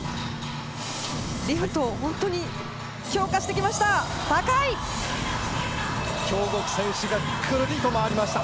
リフトを本当に強化してきました。